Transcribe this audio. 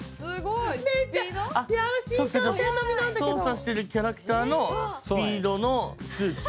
操作してるキャラクターのスピードの数値。